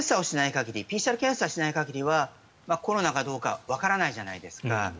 ＰＣＲ検査をしない限りはコロナかどうかわからないじゃないですか。